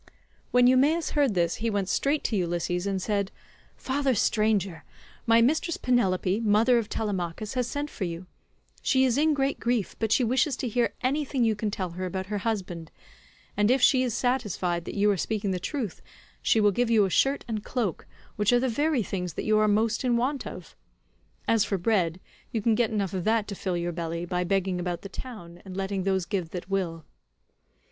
When Eumaeus heard this he went straight to Ulysses and said, "Father stranger, my mistress Penelope, mother of Telemachus, has sent for you; she is in great grief, but she wishes to hear anything you can tell her about her husband, and if she is satisfied that you are speaking the truth, she will give you a shirt and cloak, which are the very things that you are most in want of. As for bread, you can get enough of that to fill your belly, by begging about the town, and letting those give that will."